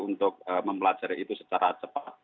untuk mempelajari itu secara cepat